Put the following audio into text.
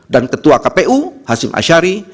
dan ketua kpu hasim ashari